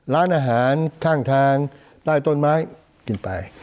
ร้านอาหารข้างทางใต้ต้นไม้กินไป